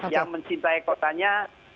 yang mencintai kotanya